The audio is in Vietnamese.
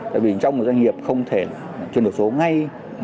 tại vì trong một doanh nghiệp không thể chuyển đổi số ngay